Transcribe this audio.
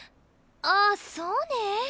ああそうね？